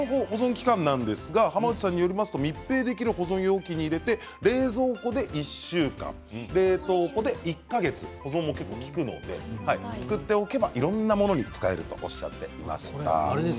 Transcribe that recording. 浜内さんによると密閉できる保存容器に入れて冷蔵庫で１週間冷凍庫で１か月保存が利くので作っておけば、いろんなものに使えるとおっしゃっていました。